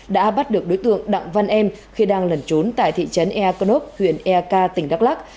đã bắt được đối tượng đặng văn em khi đang lẩn trốn tại thị trấn eakonov huyện eak tỉnh đắk lắc